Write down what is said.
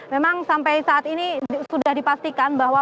memang sampai saat ini sudah dipastikan bahwa